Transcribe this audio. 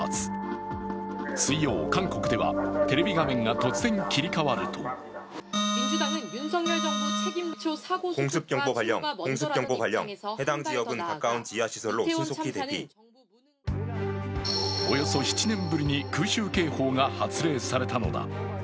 水曜、韓国ではテレビ画面が突然切り替わるとおよそ７年ぶりに空襲警報が発令されたのだ。